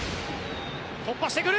突破してくる。